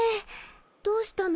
どうしたの？